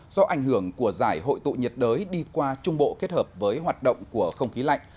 do ảnh hưởng của giải hội tụ nhiệt đới đi qua trung bộ kết hợp với hoạt động của không khí lạnh